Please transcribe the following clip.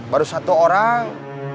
baru satu orang